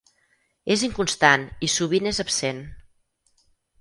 És inconstant i sovint és absent.